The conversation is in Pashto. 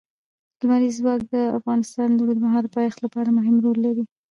لمریز ځواک د افغانستان د اوږدمهاله پایښت لپاره مهم رول لري.